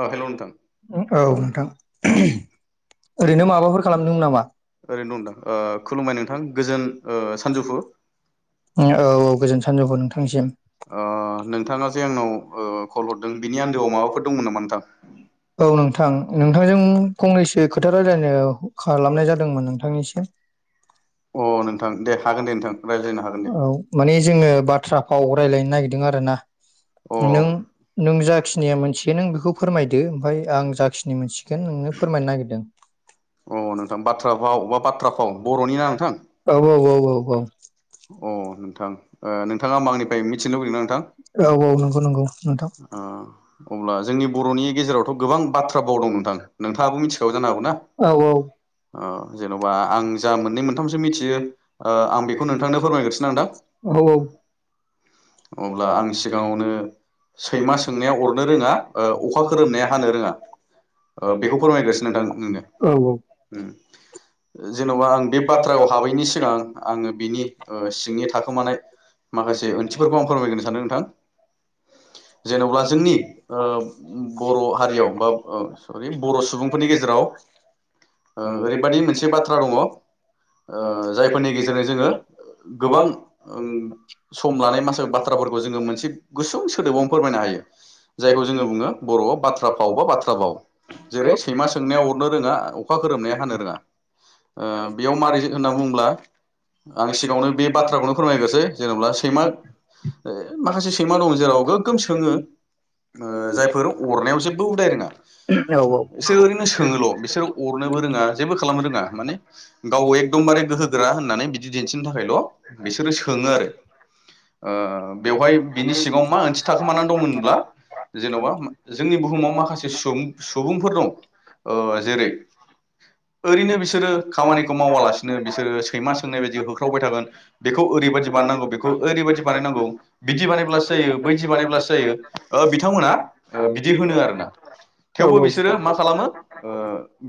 अ hello नोंथां ओरैनो दं नोंथां ओ खुलुमबाय नोंथां गोजोन ओ सानजौफु ओम औ औ गोजोन सानजैफु औ नोंथांनिसिम औ नोंथां नोंथांजों फंनैसो खोथा रायज्लायनो खालामनाय जादोंमोन नोंथांनिसिम अ नोंथां दे हागोन दे नोंथां रायज्लायनो हागोन औ माने जोङो बाथ्रा फाव रायलायनो नागिरदों आरो ना नों नों जाखिनि मोनथियो नों बेखौ फोरमायदो ओमफाय आं जाखिनि मोनथिगोन नोंनो फोरमायनो नागिरदों [unintelligible] औ औ औ औ औ अ नोंथां औ औ नंगौ नंगौ नोंथां अब्ला जोंनि बर'नि गेजेरावथ' गोबां बाथ्रा भाव दं नोंथां नोंथाङाबो मिथिखागौ जानो हागौना ओ जेन'बा आं जा मोननै मोनथामसो मिथियो ओ आं बे औ औ अब्ला आं सिगाङावनो सैमा सोंनाया अरनो रोङा ओ अखा खोरोमनाया हानो रोङा ओ बेखौ फोरमायगासिनो नोंथां नोंनो उम जेनबा आं बे बाथ्राखौ हाबैनि सिगां आङो बेनि ओ सिंनि थाखोमानाय माखासे ओ फोरखौ आं फोरमायग्रोनो सानो नोंथां जेन'ब्ला जोंनि ओ बर' हारियाव बा ओ सरि बर' सुबुंफोरनि गेजेराव ओ ओरैबादि मोनसे बाथ्रा दङ ओ जायफोरनि गेजेरजों जोङो गोबां सम लानो बाथ्राफोरखौ जोङो मोनसे गुसुं सोदोबावनो फोरमायनो हायो जायखौ जोङो बुङो बर'आव बाथ्रा फाव बा बाथ्रा भाव जेरै सैमा सोंनाया अरनो रोङा अखा खोरोमनाया हानो रोङा ओ बेयाव मारै होनना बुङोब्ला आं सिगाङावनो बे बाथ्राखौनो फोरमायग्रोनोसै जेनब्ला सैमा माखासे सैमा दं जेराव गोगोम सोङो जायफोर अरनायाव जेबो उदाय रोङा बिसोर ओरैनो सोङोल' बिसोर अरनोबो रोङा जेबो खालामनो रोङा माने गाव एकदमबारे गोहोगोरा होननानै बिदि दिन्थिनो थाखायल' बिसोरो सोङो आरो । ओ बेवहाय बिनि सिङाव मा ओंसे थाखोमानानै दंमोनब्ला जेन'बा जोंनि बुहुमाव माखासे सुबुं सुबुंफोर दं जेरैओ ओरैनो बिसोरो खामानिखौ मावालासिनो बिसोरो सैमा सोंनाय बायदि होख्रावबाय थागोन बेखौ ओरैबायदि बारनांगौ बेखौ ओरैबायादि बानायनांगौ बिदि बानायब्लासो जायो बैदि बानायब्लासो जायो बिथांमोना बिदि होनो आरोना थेवबो बिसोरो मा खालामो ओ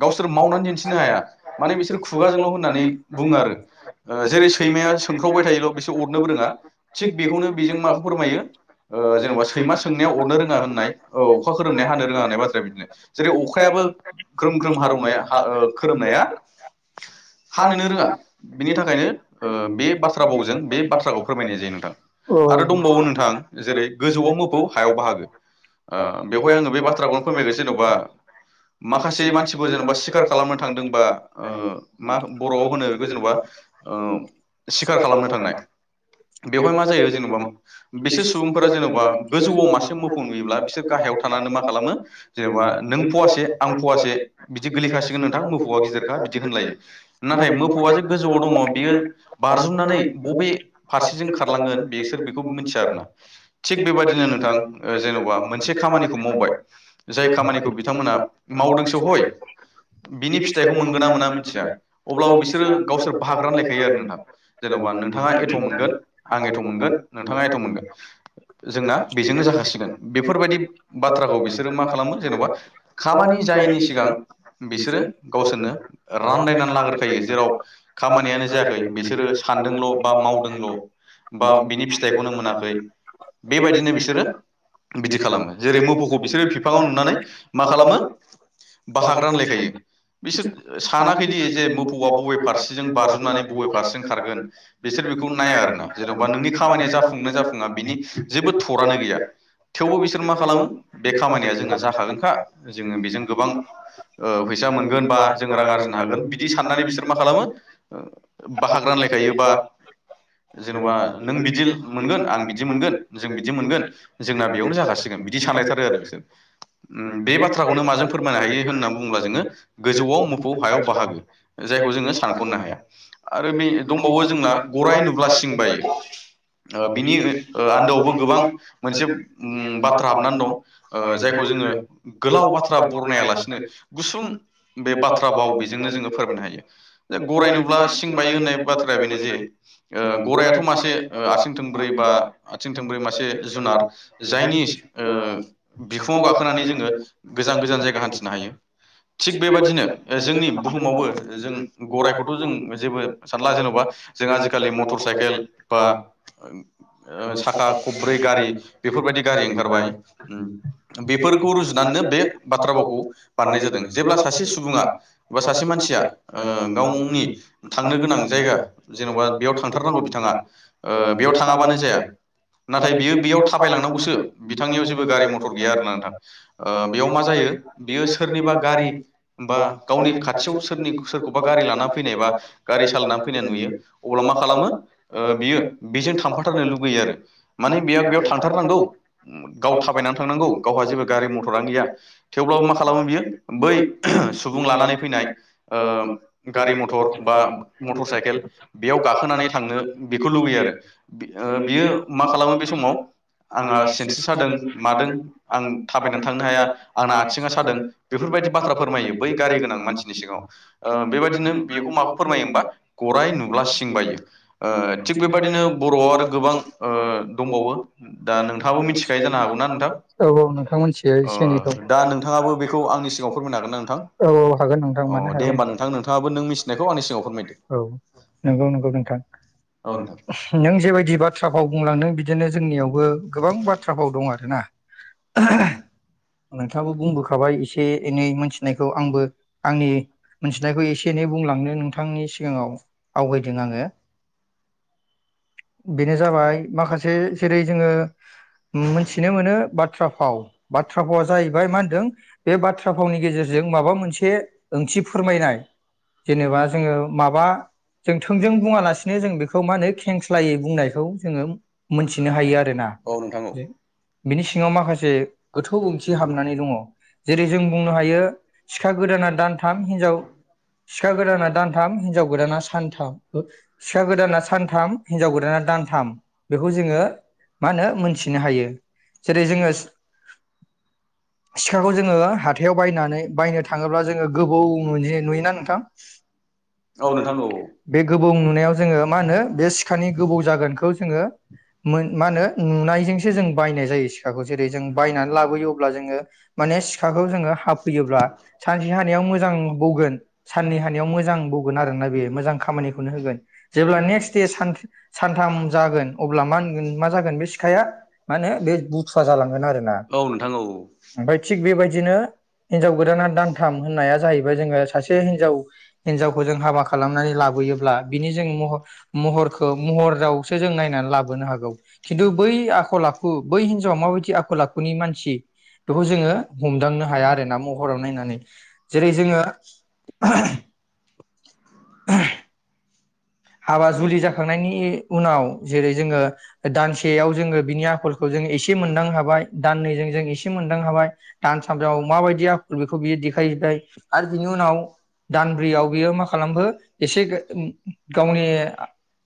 गावसोर मावनानै दिन्थिनो हाया माने बिसोर खुगाजोंल' होननानै बुङो आरो जेरै सैमाया सोंखावबाय थायोल' बिसोर अरनोबो रोङा । थिग बेनो बे फोरमायगोन जेनेबा सैमा सोंनायाव अरनो रोङा होननाय अखा खोरोमनाया हानो रोङा होननाय बाथ्राया बिदिनो जेरै अखायाबो ग्रोम ग्रोम हौवनाय खोरोमनाया हानोनो रोङा बिनि थाखायनो बे बाथ्रा बावजों बे बाथ्राखौ फोरमायनाय जायो नों। आरो दंबावो नोंथां जेरै गोजौआव मोफौ हायाव- बाहागो बेवहाय आङो बे बाथ्राखौनो फोरमायगोन जेन'बा माखासे मानसिफोर जेनेबा सिखार खालामनो थांदोंबा मा बर'आव होनो बेखौ जेनेबा सिखार खालामनो थांनाय बेवहाय मा जायो जेनेबा बिसोर सुबुंफोरा जेन'बा गोजौआव मासे मोफौ नुयोब्ला बिसोर गाहायाव थानानै मा खालामो जेन'बा नों फवासे आं फवासे बिदि गोलैखाासिगोन नोंथां मोफौवा गिदिरखा बिदि होनलायो नाथाय मोफौआ जे गोजौआव दङ बियो बारजुमनानै बबे फारसेथिं खारलांगोन बेसोर बेखौ मिनथिया आरोना थिग बेबायदिनो जेन'बा मोनसे खामानिखौ मावबाय जाय खामानिखौ बिथांमोना मावदोंसो हय बिनि फिथाइखौ मोनगोन ना मोना मिथिया अब्लाबो बिसोरो गावसोर बाहाग रानलायखायो आरो नोंथां जेन'बा नोंथाङा एथ' मोनगोन आं एथ' मोनगोन नोंथांआ एथ' मोनगोन जोंना जासिगोन बेफोरबायदि बाथ्राखौ बिसोरो मा खालामो जेन'बा खामानि जायैनि सिगां बिसोरो गावसोरनो रानलायनानै लाग्रोखायो जेराव खामानियानो जायाखै बिसोरो सानदोंल' बा मावदोंल' बा बिनि फिथाइखौनो मोनाखै बेबायदिनो बिदि खालामो जेरै मोफौखौ बिसोरो बिफाङाव नुनानै मा खालामो बाहाग रानलायखायो बिसोर सानाखैदि जे मोफौवआ बबे फारसेजों बारज्रुमनानै बबे फारसेजों खारगोन बिसोर बेखौ नाया आरो ना। जेनन'बा नोंनि खामानिया जाफुना जाफुंआ बेनिे जेबो थ थेवबो बिसोर मा खालामो बे खामानिया जोंना जाखागोनखा जोङो बेजों गोबां ओ फैसा मोनगोन बा जों रां आरजिनो हागोन बिदि साननानै बिसोर मा खालामो बाहागो रानलायखायो बा जेन'बा नों बिदि मोनगोन आं बिदि मोनगोन जों बिदि जोंना बेयावनो जाखासिगोन बिदि सानलायथारो आरो बिसोर बे बाथ्राखौनो माजों फोरमायनो हायो होननानै बुङोब्ला जोङो गोजौआव मोफौ हायाव बाहागो जायखौ जोङो सानख'नो हाया आरो बे दंबावो जोंना गराय नुब ब्ला सिं बायो बिनि आन्दोआवबो गोबां मोनसे उ बाथ्रा हाबनानै दं जायखौ जोङो गोलाव बाथ्रा बरनायालासिनो गुसुं बे बाथ्रा भाव बेजोंनो जोङो फोरमायनो हायो जे गायनोब्ला सिं बायो होननाय बाथ्राया बेनो जे गरायाथ' मासे आथिं थोंब्रै बा आथिं थोंब्रै मासे जायनि बिखुङाव गाखोनानै जोङो गोजान गोजान जायगा हान्थिनो हायो थिग बेबादिनो जोंनि बुहुमावबो जों गरायखौथ' जों जेबो सानला जेन'बा जों आजिखा खालि मथर साइकेल बा साखा खबब्रै गारि बेफोरबायदि गारि ओंखारबाय बेफोरखौ रुजुनानैनो बे बाथ्रा भावखौ बारनाय जादों जेब्ला सासे सुबुङा बा सासे मानसिया ओ गावनि थांनो गोनां जायगा जेन'बा बेयाव थांथारनांगौ बिथाङा ओ बेयाव थाङाबानो जाया। नाथाय बियो बेयाव थाबायलांनांगौसो बिथांनियाव जेबो गारि मथर गैया आरो ना नोंथां बेयाव मा जायो बियो सोरनिबा गारि बा गावनि खाथियाव सोरनि सोरखौबा गारि लानानै फैनाय बा गारि सालायनानै फैनाय नुयो अब्ला मा खालामो बियो बेजों थांफाथारनो लुगैयो आरो। माने बेहा बेयाव थांथारनांगौ गाव थाबायनानै थांनांगौ गावहा जेबो गारि मथरानो गैया थेवब्लाबो मा खालामो बियो बै सुबुं लानानै फैनाय ओ गारि मथर बा मटर साइकेल बेयाव गाखोनानै थांनो बेखौ लुुबैयो फि ओ बियो मा खालामो बे समाव आंहा सेनस्रि सादों मादों आं थाबायनानै थांनो हाया आंना आथिङा सादों बेफोरबायदि बाथ्रा फोरमायो बै गारि गोनां मानसि सिगाङाव बेबायदिनो बेखौ माखौ फोरमायो होमबा गराय नु ब्ला सिं बायो थिग बेबायदिनो बर'आव आरो गोबां दंबावो दा नोंथाङाबो मिथिखायो जानो हागौ ना नोंथां दा नोंथाङाबो बेखौ आंनि सिगाङाव फोरमायनो हागोन ना नोंथां अ दे होमबा नोंथां नोंथाङाबो नों मिथिनायखौ आंनि सिगाङाव फोरमायदो। नंगौ नंगौ नोंथां । नों जेबायदि बाथ्रा औ बुंलांदों बिदिनो जोंनियावबो गोबां बाथ्रा भाव दं आरोना । नोंथाङाबो बुंबोखाबाय एसे एनै मोनथिनायखौ आंबो आंनि मोनथिनायखौ एसे एनै बुंलांनो नोंथांनि सिगाङाव आवगायदों आङो । बिनो जाबाय माखासे जेरै जोङो मोनथिनो मोनो बाथ्रा फाव बाथ्रा भावा जाहैबाय मा होनदों बे बाथ्रा भावनि गेजेरजों माबा मोनसे ओंथि फोरमायनाय जेनेबा जोङो माबा जों थोंजों बुङालासिनो जों बेखौ मा होनो खेंस्ला यै बुंनाय खौ जोङो मोनथिनो हायो आरोना । बिनि सिङाव माखासे गोथौ ओंथि हाबनानै दङ । जेरै जों बुंनो हायो सिखा गोदाना दानथाम हिनजाव सिखा गोदाना दानथाम हिनजाव गोदाना सानथाम सिखा गोदाना सानथाम । हिन्जाव गोदाना दान थाम बेखौ जोङो मा होनो मिथिनो हायो जेरै जोङो सिखाखौ जोङो हाथायाव बायनानै बायनो थाङोब्ला जोङो गोबौ नुोयो नुोयोना नोंथां गोबौ नुनायाव जोङो मा होनो बे सि खानि गोबौ जागोन खौ जोङो मोन मा होनो नुनायजोंसो जों बायनाय जायो सिखाखौ जेरै जों बायनानै लाबोयो अब्ला जोङो माने सिखाखौ जोङो हाफैयोब्ला सानसे हानायाव मोजां बौगोन साननै हानायाव मोजां बौगोन आरोना बे मोजां खामानिखौनो होगोन जेब्ला नेक्स्ट हायो सान सानथाम जागोन अब्ला मा होनगोन मा जागोन बे सिखाया मा होनो बे बुथुवा जालांगोन आरो ना ।ओमफ्राय थिग बेबायदिनो हिनजाव गोदाना दानथाम होननाया जाहैबाय जोङो सासे हिनजाव हिनजावखौ जों हाबा खालामनानै लाबोयोब्ला बिनि जों महर महरखौ महर जाव । सो जों नायनानै लाबोनो हागौ । खिन्थु बै आखल आखु बै हिनजावा माबायदि आखल आखुनि मानसि बेखौ जोङो हमदांनो हाया आरोना महराव नायनानै ।जेरै जोङो हाबा जुलि जाखांनायनि उनाव जेरै जोङो दानसेयाव जोङो बिनि आखलखौ एसे मोन्दां हाबाय दान्नैजों जों एसे मोनदां हाबाय ।दानथामाव माबायदि आखल बियो बेखौ देखाय जोबबाय । आरो बिनि उनाव दानब्रौआव बियो मा खालामखो एसे गो उम गावनि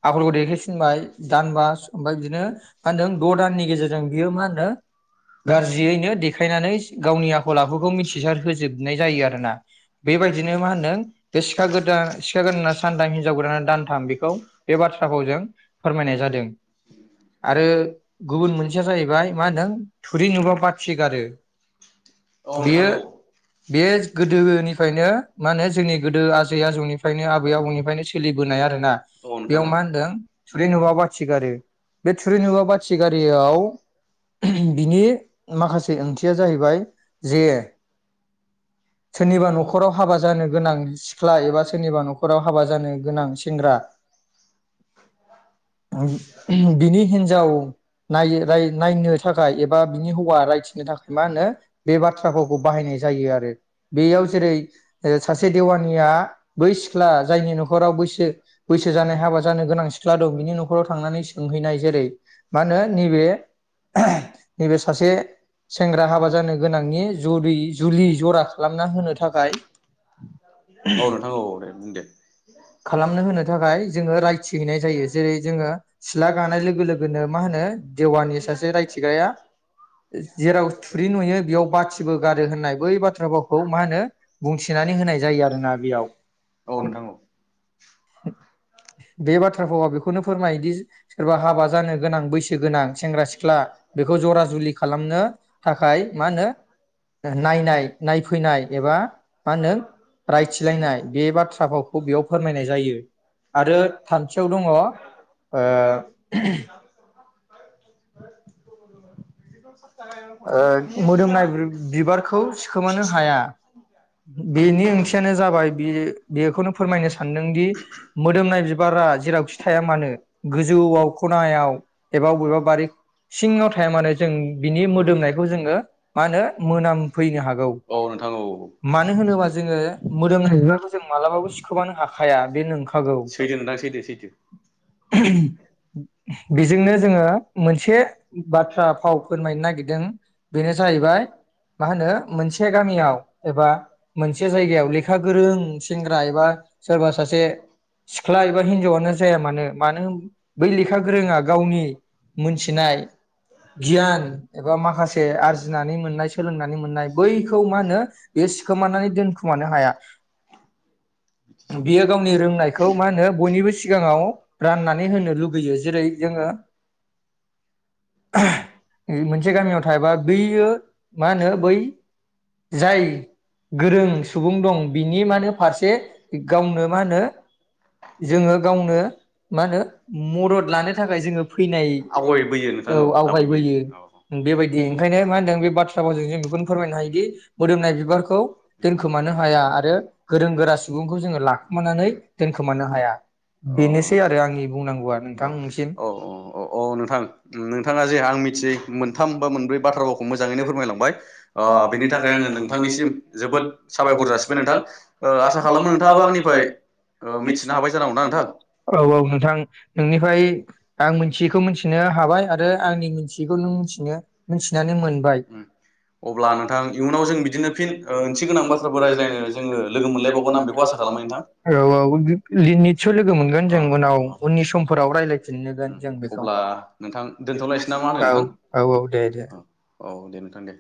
आखलखौ देखायफिनबाय दानबा ओमफाय बिदिनो मा होन्दों द दान्नि गेजेरजों बियो मा होनदों गारजियैनो देखायनानै गावनि आखल आखुखौ मिथिसार होजोबनाय जायो आरो ना । बेबायदिनो मा होन्दों बे सिखा गोदान सिखा गोदाना सानथाम होनजाव गोदान दानथाम बे बाथ्राखौ ज फोरमायनाय जादों आरो गुबुन मोनसेया जाहैबाय मा होनदों थुरि नुबा बाथि गारो बेयो बेयो गोदोनिफ्रायनो मा होनो जोंनि गोदो आजै आजौनिफ्रायनो आबै आबौनिफ्रायनो सोलि बोनाय आरोना बेयाव मा होनदों थुरिनुबा बाथि गारि बे थुरिनवा बाथि गारियाव बिनि माखासे ओंथिया जाहैबाय जे सोरनिबा न'खराव हाबा जानो गोनां सिख्ला एबा सोरनिबा न'खराव हाबा जानो गोनां सेंग्रा बिनि हिनजाव नायो राय नायनो थाखाय एबा बिनि हौवा रायथिनो थाखाय मा होनो बे बाथ्राफोरखौ बाहायनाय जायो आरो । बेयाव जेरै ओ सासे देवानिया बै सिख्ला जायनि न'खर आव बैसो बैसो जानाय हाबा जानो गोनां सिख्ला दं बिनि न'खराव थांनानै सोंहैनाय जेरै मा होनो नैबे नैबे सासे सेंग्रा हाबा जानो गोनांनि जरि जुलि जरा खालामना होनो थाखाय। खालामनो होनो थाखाय जोङो रायथि हैैनाय जायो जेरै जोङो सिला गानाय लोगो लोगोनो मा होनो देवानि सासे रायथिग्राया जेराव थुरि नुयो बेयाव बाथिबो गारो होननाय बै बाथ्रा भावखौ मा होनो बुंथिनानै होनाय जायो आरोना बेयाव । बे बाथ्रा भावा बेखौनो फोरमायोदि सोरबा हाबा जानो गोनां बैसो गोनां सेंग्रा सिख्ला बेखौ जरा जुलि खालामनो थाखाय मा होनो नायनाय नायफैनाय एबा मा होनो रायथिलायनाय बे बाथ्रा भाव [unintelligible] आरो खाथियाव दङ ओ [unintelligible] ओ मोदोमनाय बि बिबारखौ सिखोमानो हाया बेनि ओंथियानो जाबाय बे बेखौनो फोरमायनो सानदोंदि मोदोमनाय बिबारा जेरावखि थाया मानो गोजौआव खनायाव एबा बबेबा बारि सिङाव थाया मानो जों बिनि मो दोमनायखौ जोङो मा होनो मोनामफैनो हागौ मानो होनोबा जोङो मोदोमनाय बिबारखौ जों मालाबाबो सिुखोमानो हाखाया बे नंखागौ बेजोंनो जोङो मोनसे बाथ्रा फाव फोरमायनो नागिर [unintelligible] बेनो जाहैबाय मा होनो मोनसे गामियाव एबा मोनसे जायगायाव लेखा गोरों सें ग्रा एबा सोरबा सासे सिख्ला एबा हिनजावानो जाया मानो मानो बै लेखा गोरोङा गावनि मोनथिनाय गियान एबा माखासे आरजिनानै मोननाय सोलोंनानै मोननाय बैखौ मा होनो बेयो सिखोमानानै दोनखुमानो हाया [inaudible] मोनसे गामियाव थायबा बैयो मा होनो बै जाय गोरों सुबुं दं बिनि मा होनो फारसे गावनो मा होनो जोङो गावनो मा होनो मदद लानो थाखाय जोङो फैनाय औ आवगायबोयो बेबायदि ओंखायनो मा होनदों बे बाथ्रा फावजों जों बेखौनो फोरमायनो हायोदि मोदोमनाय बिबारखौ दोनखोमानो हाया आरो गोरों गोरा सुबुंखौ जोङो लाखुमानानै दोनखोमानो हाया बेनोसै आरो आंनि बुंनांगौआ नोंथांनिसिम। नोंथाङा जे आं मिथियै मोनथाम बा मोनब्रै बाथ्रा रावखौ मोजाङैनो फोरमायलांबाय अ बेनि औ औ नोंथां नोंनिफ्राय आं मिथियैखौ मिथिनो हाबाय आरो आंनि मिनथियैखौ नों मिनथिनो मिनथिनानै मोनबाय । औ औ [unintelligible] नितसय लोगो मोनगोन जों उनाव उननि समफोराव रायलायफिनगोन जों बेखौ औ औ औ दे दे औ दे नोंथां दे।